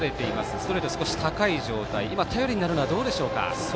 ストレートが少し高い状態頼りになるのは何でしょうか？